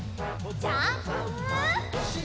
ジャンプ！